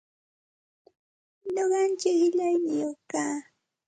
Nuqaichik qillaniyuqmi kaa.